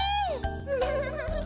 フフフ。